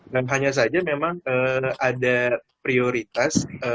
dan hanya saja memang ada prioritas